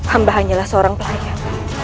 hamba hanyalah seorang pelayan